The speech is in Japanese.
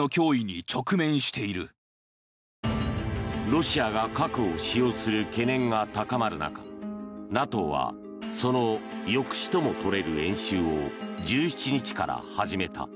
ロシアが核を使用する懸念が高まる中ＮＡＴＯはその抑止ともとれる演習を１７日から始めた。